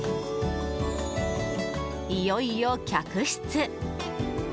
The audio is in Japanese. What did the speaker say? いよいよ客室。